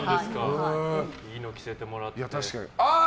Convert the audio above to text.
いいの着せてもらって。